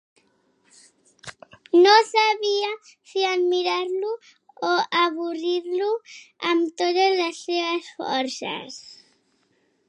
No sabia si admirar-lo o avorrir-lo amb totes les seves forces.